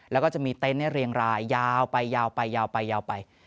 แล้วก็จะมีเต็นต์เรียงรายยาวไป